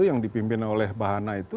yang dipimpin oleh bahana itu